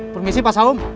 permisi pak saum